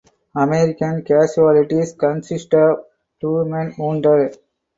American casualties consisted of two men wounded.